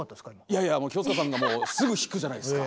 いやいや清塚さんがもうすぐ弾くじゃないですか。